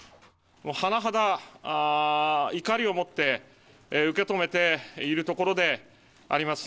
もう甚だ怒りを持って、受け止めているところであります。